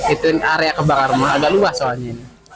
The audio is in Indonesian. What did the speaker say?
itu area kebakarannya agak luas soalnya